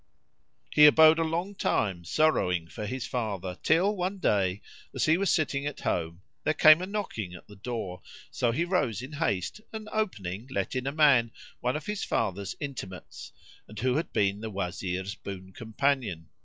'" He abode a long time sorrowing for his father till, one day, as he was sitting at home, there came a knocking at the door; so he rose in haste and opening let in a man, one of his father's intimates and who had been the Wazir's boon companion.